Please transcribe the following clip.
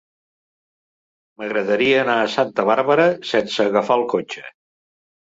M'agradaria anar a Santa Bàrbara sense agafar el cotxe.